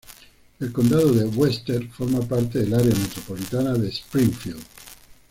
El condado de Webster forma parte al Área metropolitana de Springfield.